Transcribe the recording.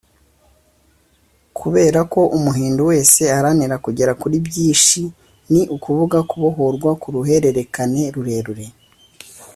kubera ko umuhindu wese aharanira kugera kuri byishi ni ukuvuga kubohorwa ku ruhererekane rurerure